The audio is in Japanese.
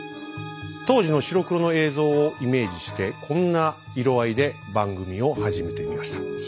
当時の白黒の映像をイメージしてこんな色合いで番組を始めてみました。